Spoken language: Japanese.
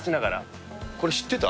これ、知ってた？